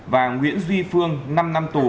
và nguyễn duy phương năm năm tù